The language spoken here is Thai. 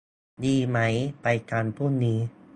ดีไหม ไปกันพรุ่งนี้